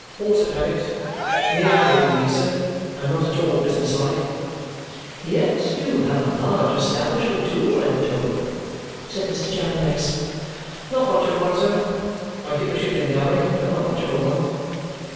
"Force of habit. A mere habit in me, sir. I am not at all business like." "Yet you have a large establishment, too, I am told?" said Mr. Jarndyce. "Not much of a one, sir. I keep a shooting gallery, but not much of a one."